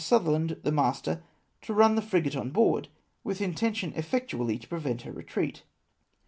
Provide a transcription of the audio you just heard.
Sutherland, the master, to run the frigate on board, with intention effectually to prevent her retreat.